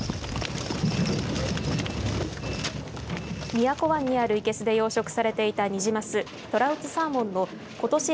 宮古湾にあるいけすで養殖されていたニジマストラウトサーモンのことし